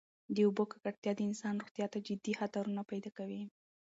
د اوبو ککړتیا د انسان روغتیا ته جدي خطرونه پیدا کوي.